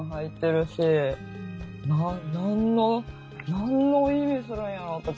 何の意味するんやろ？とか。